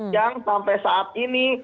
yang sampai saat ini